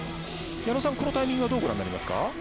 矢野さん、このタイミングどうご覧になりますか？